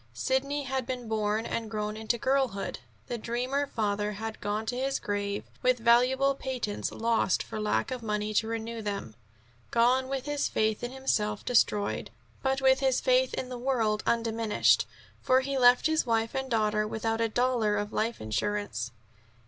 Sidney had been born and grown to girlhood; the dreamer father had gone to his grave, with valuable patents lost for lack of money to renew them gone with his faith in himself destroyed, but with his faith in the world undiminished: for he left his wife and daughter without a dollar of life insurance.